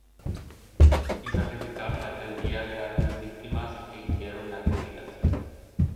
Y sacrificaron aquel día grandes víctimas, é hicieron alegrías;